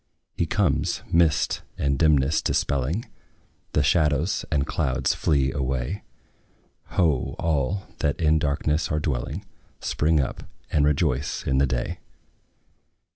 He comes, mist and dimness dispelling; The shadows and clouds flee away: Ho! all, that in darkness are dwelling, Spring up, and rejoice in the day!